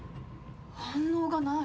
反応がない。